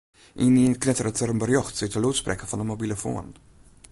Ynienen knetteret der in berjocht út de lûdsprekker fan de mobilofoan.